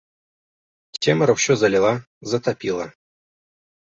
Цемра ўсё заліла, затапіла.